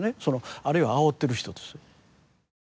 あるいはあおってる人です。